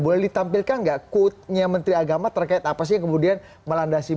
boleh ditampilkan gak kodenya menteri agama terkait apa sih yang kemudian melandasi bumb